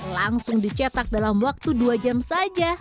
langsung dicetak dalam waktu dua jam saja